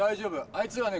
あいつらね